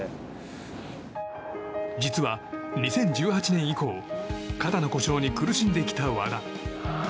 実は２０１８年以降肩の故障に苦しんできた和田。